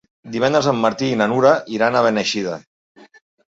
Divendres en Martí i na Nura iran a Beneixida.